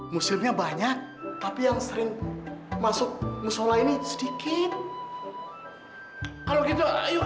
muslimnya banyak tapi yang sering masuk musolah ini sedikit